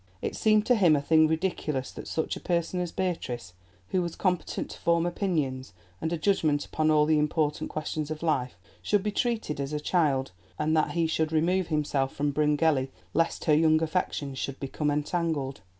It seemed to him a thing ridiculous that such a person as Beatrice, who was competent to form opinions and a judgment upon all the important questions of life, should be treated as a child, and that he should remove himself from Bryngelly lest her young affections should become entangled.